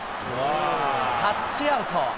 タッチアウト。